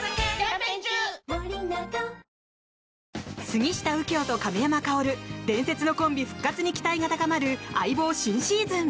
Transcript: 杉下右京と亀山薫伝説のコンビ復活に期待が高まる「相棒」新シーズン！